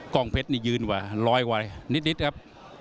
กล้องเพชรนี่ยืนไปรอยไว้นิดครับ